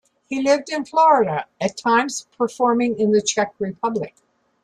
He lived in Florida, at times performing in the Czech Republic.